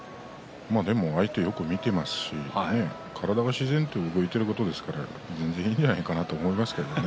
でも相手をよく見ていますし、体が自然と動いていることですから全然いいんじゃないかと思いますけれどもね。